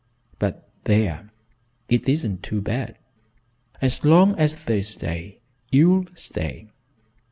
But there! It isn't so bad. As long as they stay you'll stay.